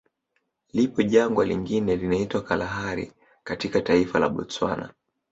Lipo Jangwa lingine linaitwa Kalahari katika taifa la Botswana